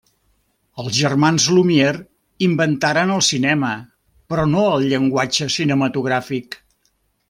Els germans Lumière inventaren el cinema, però no el llenguatge cinematogràfic.